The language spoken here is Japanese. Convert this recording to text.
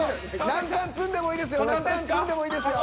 何缶積んでもいいですよ。